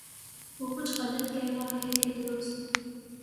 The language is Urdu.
وہ کچھ غلط کہہ رہا ہے کہ درست